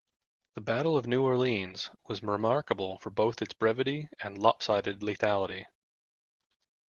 The Battle of New Orleans was remarkable for both its brevity and lopsided lethality.